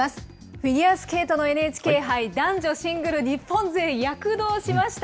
フィギュアスケートのＮＨＫ杯、男女シングル日本勢躍動しました。